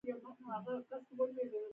د کدو بوټی په ځمکه خپریږي